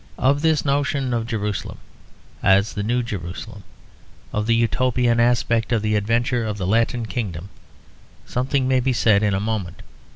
Of this notion of Jerusalem as the New Jerusalem, of the Utopian aspect of the adventure of the Latin Kingdom, something may be said in a moment.